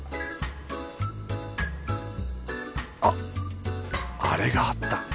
あっあれがあった！